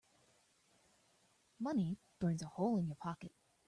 Money burns a hole in your pocket.